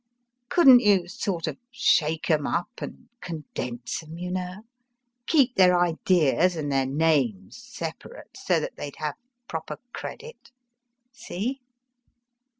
Couldn t you sort of shake em CONSIDER THEM AT YOUR SERVICE up and condense em, you know ? keep their ideas and their names separate, so that they d have proper credit. See